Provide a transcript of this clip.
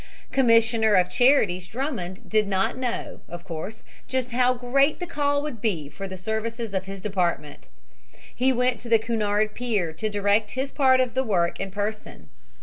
Commissioner of Charities Drummond did not know, of course, just how great the call would be for the services of his department. He went to the Cunard pier to direct his part of the work in person.